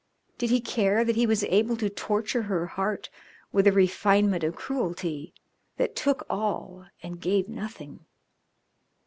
Did he care that he was able to torture her heart with a refinement of cruelty that took all and gave nothing?